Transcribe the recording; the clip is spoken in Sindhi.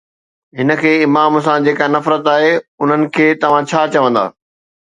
هن کي امام سان جيڪا نفرت آهي، تنهن کي توهان ڇا چوندا؟